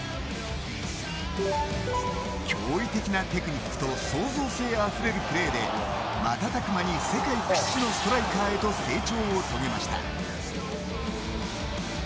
驚異的なテクニックと創造性あふれるプレーで瞬く間に世界屈指のストライカーへと成長を遂げました。